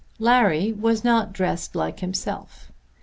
Larry was not dressed like himself.